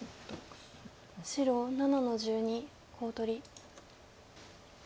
白７の十二コウ取り。